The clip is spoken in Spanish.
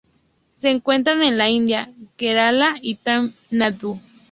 Se encuentra en la India: Kerala y Tamil Nadu.